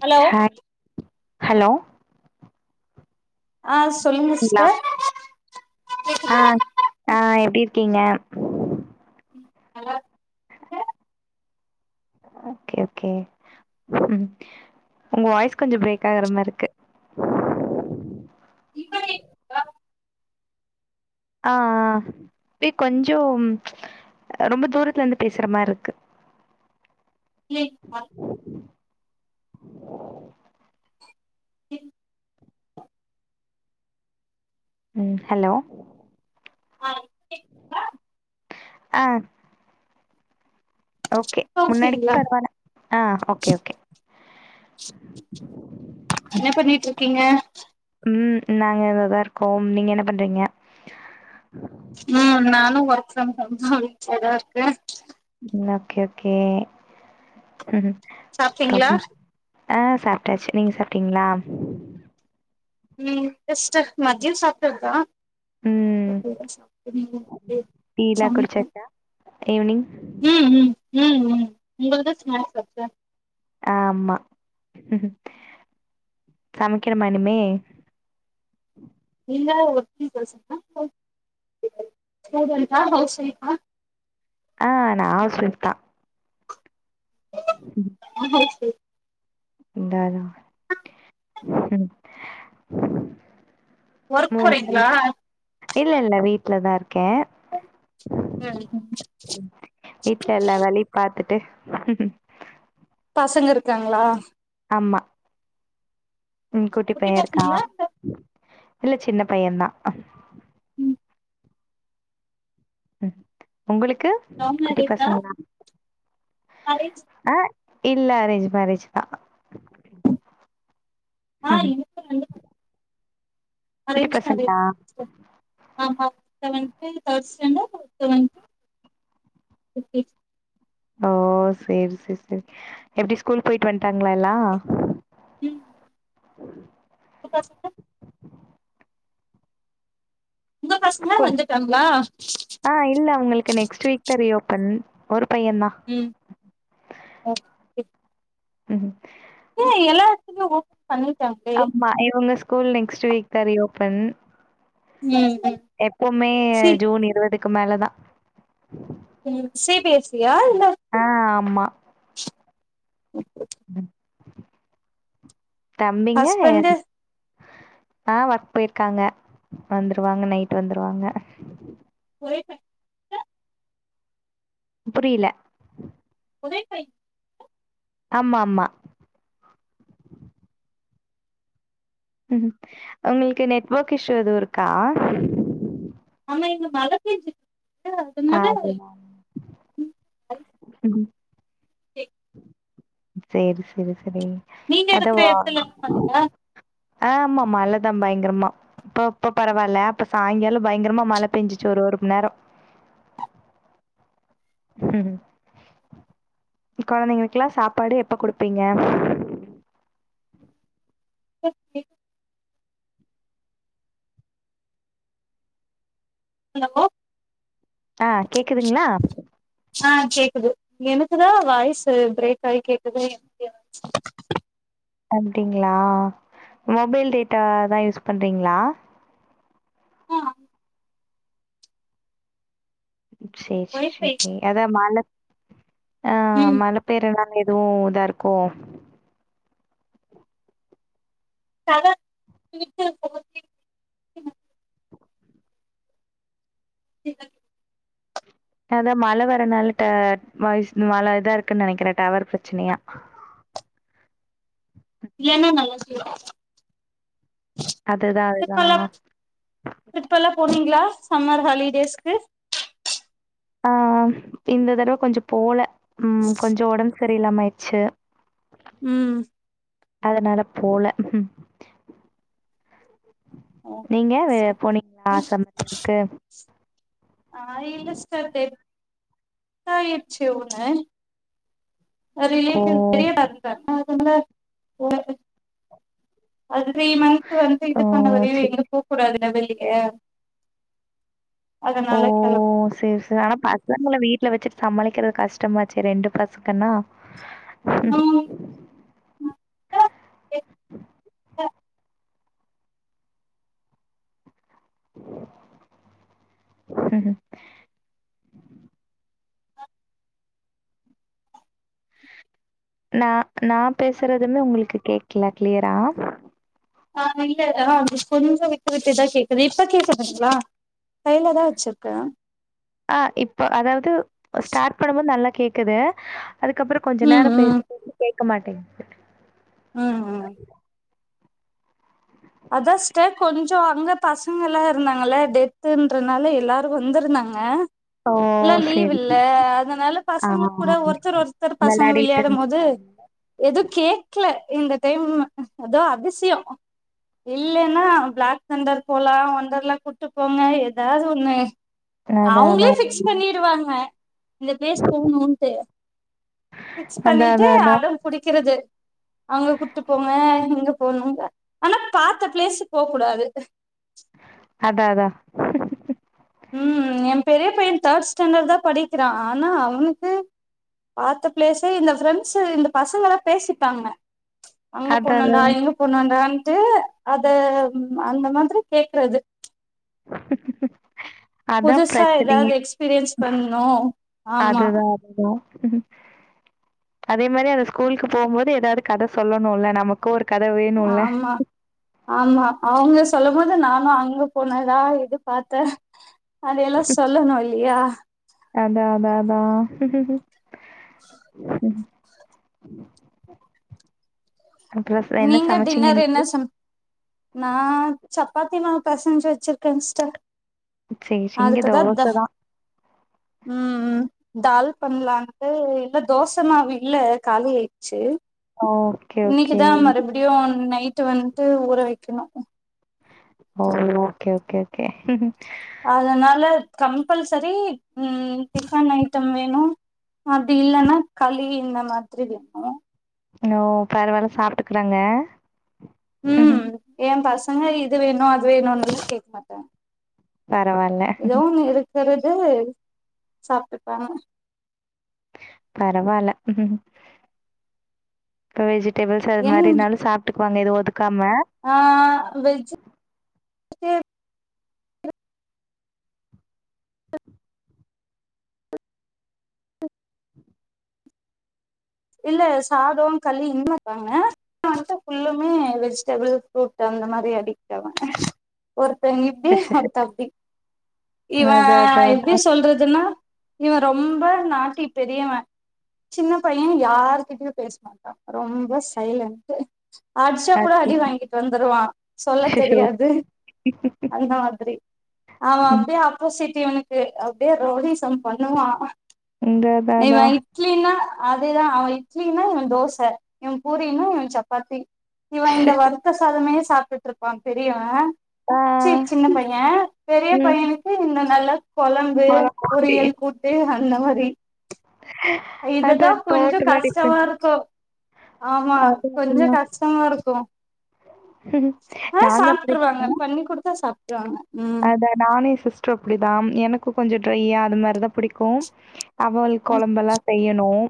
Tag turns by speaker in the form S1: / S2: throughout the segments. S1: Hello
S2: hi hello
S1: ஆஹ் சொல்லுங்க
S2: கேக்குதுங்களா
S1: சிஸ்டர்
S2: ஆ
S1: கேக்குது
S2: ஆ எப்டி இருக்கீங்க
S1: ஹலோ
S2: ஒகே ஒகே உங்க வாய்ஸ் கொஞ்ச பிரேக் ஆகற மார் இருக்கு
S1: இப்படி [unintelligible]
S2: அஹ் ஆ இ கொஞ்ச ரொம்ப தூரத்துல இருந்து பேசற மாரி இருக்கு
S1: [unintelligible]
S2: ஹ
S1: [unintelligible]
S2: ம் ஹலோ
S1: ஆஹ்
S2: ஆஹ் ஓகே
S1: இப்ப
S2: முன்னாடிக்கு
S1: ஓகேங்களா?
S2: பரவாலா ஆஹ் ஓகே ஓகே
S1: என்ன பண்ணிட்டு இருக்கீங்க
S2: உம் நாங்க இததா இருக்கோம் நீங்க என்ன பண்றீங்க
S1: உம் நானும் ஒர்க் ஃபிரம் ஹோம் ல வீட்டுல ல தா இருக்க
S2: உம் ஓகே ஓகே உம்
S1: சாப்ட்டிங்களா
S2: ஆஹ் சாப்பிட்டாச்சு நீங்க சாப்ட்டீங்களா
S1: உம் எஸ் சிஸ்டர் மதியம் சாப்ட்டதா
S2: ம் டீ லா
S1: [unintelligible]
S2: குடிச்சாச்சா ஈவினிங்
S1: உம் உம் உம் உம் உங்கதா ஸ்னாக்ஸ் சாப்ட்ட
S2: ஆமா சமைக்கணுமா இனிமே
S1: இல்ல [unintelligible] ஹவுஸ் வைஃபா
S2: ஆஹ் நா ஹவ்ஸ் வொய்ப் தா
S1: ஹவ்ஸ் வொய்ஃப்
S2: இந்தானா ம்
S1: ஒர்க்
S2: மூணு மணி
S1: போறீங்களா
S2: இல்ல இல்ல வீட்ல தா இருக் கே
S1: ம்
S2: வீட்ல எல்லா வேலையு பாத்துட் டு
S1: பசங்க இருக்காங்களா
S2: ஆமா உம் குட்டி பைய இருக்கா
S1: பசங்களா இல்ல
S2: இல்ல சின்ன பைய தா
S1: ம்
S2: ம் உங்களுக்கு குட்டி பசங்களா
S1: அரேஞ்சு
S2: ஆ இல்ல அரேஞ்ச் மேரேஜ் தா
S1: ஆஹ் எனக்கு ரெண்டு ப
S2: குட்டி பசங்களா
S1: ஆமா த்த வந்து தேட் ஸ்டாண்டர்ட் ஒருத்த வந்து யூ கே ஜி
S2: ஓ சேரி சேர் சேரி எப்டி ஸ்கூல் போயிட் வந்ட்டாங்களா எல்லா
S1: உம்
S2: உம்
S1: பசங்க உங்க பசங்களா
S2: ஸ்கூல்
S1: வந்துட்டாங்களா
S2: ஆஹ் இல்ல அவங்களுக்கு நெக்ஸ்ட் வீக் தா ரீ ஓப் பன் ஒரு பையந்தா
S1: ம் ஓகே
S2: உஹம்
S1: ஏஹ் எல்லா எடத்துலயு ஓப்
S2: ஆமா இவங்க ஸ் கூல் நெக்ஸ்ட் வீக் தா ரீ ஓபன்
S1: ம் ம்
S2: எப்பவ்மே ஜூன் இருவது க்கு மேல தா
S1: உம் சி பி எஸ் சி யா இல்ல
S2: ஆ ஆமா.
S1: ஹம்
S2: தம்பிங்க
S1: ஹஸ்பண்டு
S2: [unintelligible] ஆஹ் ஒர்க் போயிர்க்காங்க வந்துருவாங்க நைட் வந்துருவாங்க
S1: போய்டே க
S2: புரியல
S1: உழைப்பை
S2: ஆமா ஆமா உம் உங்களுக்கு நெட்வொர்க் இஸ்யூ எதுவு இருக்கா
S1: ஆமா இங்க மழ பேஞ்சு
S2: ஆகுமா உம்
S1: எ
S2: செரி செரி செரி
S1: நீங்க இருக்கிற
S2: கடவா
S1: எடத்துல மழையா
S2: ஆமா மழதா பயங்கரமா இப்போ இப்ப பரவால்ல அப்ப சாய்ந்தர பயங்கரமா மழ பேஞ்சுச்சு ஒரு ஒருக்கு நேர உம் கொழந்தைங்களுக்குலா சாப்பாடு எப்ப குடுப்பீங்க
S1: எ எ ஹலோ
S2: ஆஹ் கேக்குதுங்ளா
S1: ஆ கேக்குது எனக்குதா வாய்ஸு பிரேக் ஆயி கேக்குது எ
S2: அப்டிங்ளா மொபைல் டேட்டா தா யூஸ் பண்றீங்ளா
S1: ஆமா
S2: செரி
S1: ஒய்ஃபை
S2: செரி அதா மேல ஆஹ்
S1: ம்
S2: மழ பெய்ரனா ல எதுவு இதா இருக்கோ
S1: தெற [inaudible] யாரு
S2: அதா மழ வரனால ‌இப்ப வாய்ஸ் மழ இதாருக்குன் நெனக்கிறே டவர் பிரச்சனையா
S1: இல்லனா நல்லா சி
S2: அதுதா எதா
S1: போனீங்ளா சம்மர் ஹாலிடேஸ்க்கு
S2: ஆஹ் இந்த தடவ கொஞ்ச போல உம் கொஞ்ச ஒடம்பு செரியில்லாம ஆய்ர்ச்சு
S1: உம்
S2: அதனால போல
S1: ஓகே
S2: நீங்க வே
S1: சிஸ்டர்
S2: போனீங்ளா சம்மர் லீவுக்கு
S1: ஆஹ் இல்லஸ்டர் தோடுது டாயிர்ச்சு உன்ன அஹ்
S2: ஓ!
S1: ரிலேடிவ் பெரிய பாத்ரூம் தொறக்னு ஒன்னா போகாத அது த்ரீ மந்த்ஸ் வந்து
S2: ஓ!
S1: இது பண்ண வரையு
S2: சரி.
S1: எங்கைமே போக் கூடாது எ வல்லிக்கே
S2: ஓ செரி செரி ஆனா பசங்கள வீட்டுல வச்சுட்டு சமாளி கக்கிற கஷ்டமாச்சு ரெண்டு பசக்கன்னா
S1: ம்
S2: நா நா பேசுறதுமே உங்களுக்கு கேக்கல கிளியரா
S1: ஆ இல்ல ஆ கொஞ்சோ விட்டு விட்டுதா கேக்குது இப்ப கேக்குதுங்களா கையில தா வச்சிருக்கே
S2: ஆ இப்ப அதாவது ஸ்டார் பண்ணுபோது நல்லா கேக்குது அதுக்கப்புறோ கொஞ்சோ
S1: ம்
S2: நேரோ
S1: ம்
S2: பேசு [inaudible] கேக் க்க மாடேன்து
S1: ம் ம் அதா ஸ்டர் கொஞ்சோ அங்க பசங்கல்லா இருந்தாங்கல்ல டெத்துன்றனால எல்லாரு வந்திருந்தாங்க
S2: ஓ
S1: இல்லா லீவ்
S2: சேரி
S1: இல்ல அதனால
S2: ஆ
S1: பசங்க கூட ஒருத்தர் ஒருத்தர் பசங்க
S2: வெளாடிட்டு
S1: விளையாடும் போது
S2: இருந்துட்டாங்க
S1: எதுவ் கேக்ல இந்த டைம் ம் ஏதோ அதிசியோ இல்லேன்னா பிளாக் தண்டர் போலா ஒண்டர்லா கூட்டு போங்க ஏதாவது ஒண்ணு
S2: அதா அதா
S1: அவங்களே பிக்ஸ் பண்ணிடுவாங்க இந்த பேஸ் போணுட்டு பிக்ஸ்
S2: அதா அதா
S1: பண்ணிட்டு
S2: அதா
S1: அடம் புடிக்கிறது அங்க குட்டு போங்க எங்க போணுங்க ஆனா பாத்த பிளேஸ்சு போக் கூடாது
S2: அதா அதா அதா
S1: உம் ஏ பெரிய பைய தேர்ட் ஸ்டேண்டர் தா படிக்கிறா ஆனா அவனுக்கு பாத்த பிளேஸே இந்த ஃப்ரெண்ட்ஸ் இந்த பசங்களா பேசிப்பாங்க அங்க
S2: அதா
S1: போனோன்டா இங்க போனோன்டா ட்டு அத அந்த மாதிரி கேக்றது
S2: அதா
S1: புதுசா
S2: பிரச்சனையே
S1: ஏதாவது எக்ஸ்பீரியன்ஸ் பண்ணு ஆமா
S2: அதுதா அதுதா அதே மாரி அந்த ஸ்கூல்க்கு போவ்ம்மோது ஏதாவது கத சொல்லணும்ல்ல நமக்கு ஒரு கத வேணுல்ல
S1: ஆமா ஆமா அவுங்க சொல்லம்மோ அது நாந்தா அங்க போனதா இது பாத்தே அதெல்லா சொல்லணு இல்லியா
S2: உம் அப்புறோ என்ன
S1: நீங்க
S2: சமச்சீங்க
S1: டின்னர்
S2: இன்னைக்கு
S1: என்ன சம் நா சப்பாத்தி மாவ் பெசஞ்சு வெச்சிர்க்கே ஸ்டர்
S2: சேரி சேரி இங்க
S1: அதுக்குதா த
S2: தோசதா
S1: உம் ம் தால் பண்லான்ட்டு இல்ல தோசமாவ் இல்ல காலி ஆய்ச்சு
S2: ஓகே ஓகே
S1: இன்னிக்கிதா மறுப்டியு நை நைட்டு வன்ட்டு ஊற வெக்ணு
S2: ஓ ஓகே ஓகே ஓகே
S1: அதனால கம்பல்சரி உம் டிஃபன் ஐட்டம் வேணு அப்டி இல்லன்னா களி இந்த மாதிரி வேணு
S2: ஓ பரவால சாப்ட்டுக்குறாங்க
S1: உம் ஏ கஸ் ங்க இது வேணு அது வேணும்ன்றத கேக் மாட்டே
S2: பரவால்ல
S1: இதோ உன்னு இருக்கற ஏ சாப்ட்டுப்பாங்க
S2: பரவால்ல பேஜ் [unintelligible] அது மாதி இருந்தாலு சாப்டுப் வாங்க ஏது ஓது
S1: ஆஹ் வெஜ் சே இல்ல சாதோ களி [unintelligible] வன்ட்டு புல்லுமே வெஜ்டபிள் ஃப்ரூட்டு அந்த மாரி அடிக்ட் ஆவாங் ஒருத்த இப்டி ஒர்த்த அப்டி இவ
S2: அதா அதா அதா
S1: எப்டி சொல்றதுன்னா இவ ரொம்ப நாட்டி பெரியவ சின்ன பைய் ய்ய யாருகிட்டியும் பேஸ் மாட்டா ரொம்ப சைலன்ட்டு அட்ச்சா
S2: அது
S1: கூட அடி
S2: அச்சச்சோ
S1: வாங்கிட்டு வந்துருவா சொல்ல தெரியாது அந்த மாதிரி அவ அப்டே ஆப்போசிட் உனுக்கு அப்டியே ரௌடிசம் பண்ணுவா
S2: இந்த அதா
S1: இவ
S2: அதா
S1: இட்லினா அதேதான் அவன் இட்லினா இவன் தோச இவன் பூரினா இவன் சப்பாத்தி இவன் இந்த வருத்த சாதமே சாப்டுட் ருப்பான் பெரியவன்
S2: ஆ
S1: ச்சீ சின்ன பையன் பெரிய
S2: ம்
S1: பையனுக்கு இந்த நல்ல கொலம்பு பொரியல் கூட்டு அந்த மாதி
S2: அ
S1: ல கொஞ்சொ கஷ்டமா ருக்கு ஆமா
S2: அதா
S1: கொஞ்சொ
S2: அதா
S1: கஷ்டமா ருக்கும் ஆஹ்
S2: நாங்க
S1: சாப்ட்ருவாங்க பண்ணி குடுத்தா சாப் [unintelligible]
S2: அத நானு எ சிஸ்ட்ரு அப்டிதாம் எனக்கு கொஞ்சொ ட்ரைய்யா அது மாரிதா புடிக்கும் அவள் கொலம்பல்லா செய்யணும்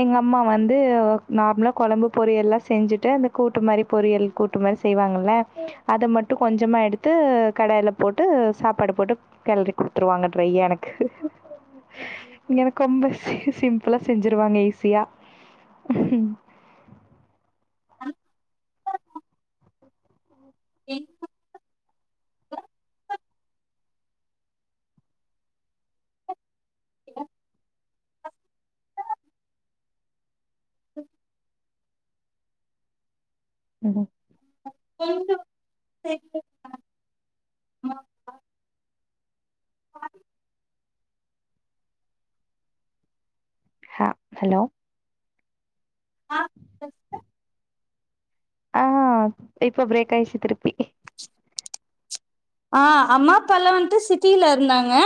S2: எங்க அம்மா வந்து நார்ம்லா கொலழம்பு பொரியல்லா செஞ்சுட்டு அந்த கூட்டு மாரி பொரியல் கூட்டு மாரி செய்வாங்கல்ல அத மட்டு கொஞ்சமா எடுத்து கடாய்ல போட்டு சாப்பாடு போட்டு கெல்ரி குடுத்துருவாங்க ட்ரைய்யா எனக்கு எனக்கு ஒம்ப சி சிம்ப்ளா செஞ்சிருவாங்க ஈஸியா
S1: [inaudible] [inaudible] இன்ன
S2: ஹுஹு
S1: [inaudible]
S2: ஹ ஹலோ ஆ இப்போ ப்ரேக் ஆயிச்சு திருப்பி
S1: ஆ ஹம்மா அப்பால வந்து சிட்டில இர்ந்தாங்க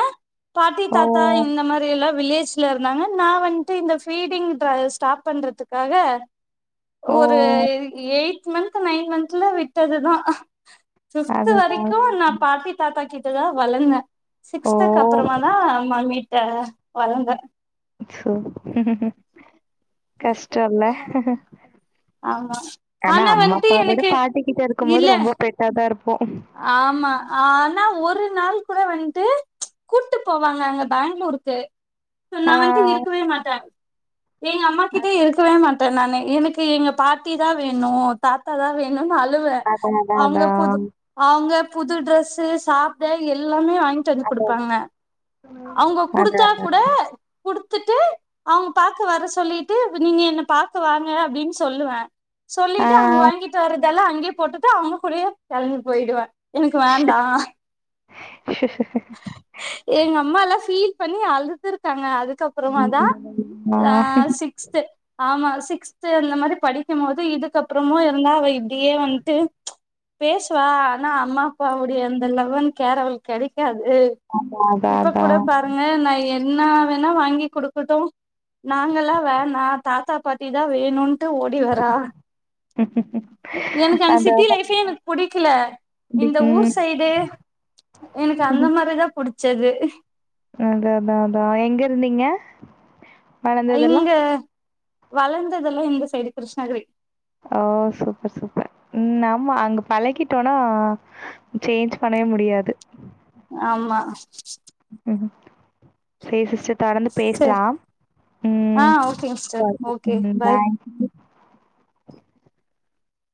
S1: பாட்டி
S2: ஓ
S1: தாத்தா இந்த மாரி எல்லா வில்லேஜ்ல இருந்தாங்க நா வந்து இந்த ஃபீடிங் ட்ராய ஸ்டாப் பண்றதுக்காக
S2: ஓ
S1: ஒரு எய் சிக்ஸ் மன்தது நைன் மன்த்ல விட்டதுதா ஃபிஃப்த்து
S2: அதுதான்
S1: வரக்கு நா பாட்டி தாத்தா கிட்டதா வளந்த
S2: ஓ
S1: சிக்ஸ்துக்கு அப்றமா தா மம்மி ட வளந்த
S2: சோ கஷ்ட்டோல்ல
S1: ஆமா
S2: எனா
S1: ஆனா
S2: அம்மா
S1: வந்துட்டு
S2: அப்பா விட
S1: எனக்கு
S2: பாட்டிக்கிட்ட
S1: இல்ல
S2: இருக்கும்மோது ரொம்ப பெட்டாதா இருப்
S1: ஆமா ஆனா ஒர் ஒரு நாள் கூட வன்ட்டு கூட்டு போவாங்க அங்க பேங்களூருக்கு து நா
S2: ஆ
S1: வந்து இருக்குவே மாட்ட எங்க அம்மா கிட்ட இருக்கவே மாட்ட நானு இவ்னுக் தி எங்க பாட்டி தா வேணு தாத்தா தா வேணு ஆம்மா அழுவே
S2: அதான் அதான்
S1: அவுங்க புது
S2: அதான்.
S1: அவ்ங்க புது ட்ரெஸ்ஸு சாப்ட எல்லாமே வாங் க்ட்டுவந்து
S2: அதான்
S1: குடுப்பாங்க அவ்ங்க
S2: அதான்
S1: குடுத்தா
S2: அதான்.
S1: கூட குடுத்துட்டு அவ்ங் பாக்க வர சொல்லிட்டு நீங்க என்ன பாக்க வாங்க அப்டின் சொல்லுவ
S2: ஆ
S1: சொல்லிட்டு அவ்ங்க வாங்கிட்டு வர்றத் தல்லா அங்யே போட்டுட்டு அவ்ங்க கூட்யே கெள்ம்பி பொய்டுவ எனுக்கு வேண்டா எங்க அம்மால்லா ஃபீல் பண்ணி அழுதுருக்காங்க அதுக் கப்புறமா தா ஆ சிக்ஸ்து ஆம்மா சிக்ஸ்து இந்த மாரி படிக்கும் போது இதுக்கப்புறமும் இருந்தா அவ இப் டியே வன்ட்டு பேஸ்சுவா ஆனா அம்மா அப்பாவுடைய இந்த லவ்வன் கேர் அவளுக் கெடைக்காது
S2: ஆம்மா
S1: இப்ப கூட பாருங்க நை டு என்னா வேணா வாங்கி குடுக்கட்டும் நாங்கெல்லா வேணா தாத்தா பாட்டி தா வேணுன் டு ஓடி வரா
S2: ம்.
S1: எனக்கு அந் சிட்டி லைஃபே எனக் புடிக்கெல இந்த ஊர் சைடு எனக்கு அந்த மாரி தா புடிச் சது
S2: அத அதா அதா எங்க இருந்தீங்க வளர்ந்ததெல்லாம்?
S1: இங்க வழந்ததெல்லா இந்த சைடு கிருஷ்ணகிரி
S2: ஆ சூப்பர் சூப்பர் ம் நம்ம அங்கப் பழகிட்டோனா சேஞ்ச் பண்ணவே முடியாது
S1: ஆம்மா
S2: ம் சேர் சிஸ்டர் தொடர்ந்து பேஸ்லா
S1: சரி ஆ
S2: ம்
S1: ஓகேங்க சிஸ்டர் ஓகே
S2: [unintelligible] பாய்